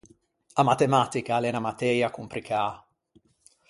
A matematica a l’é unna matëia compricâ.